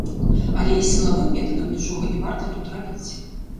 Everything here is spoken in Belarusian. Але і сілавым метадам нічога не варта тут рабіць.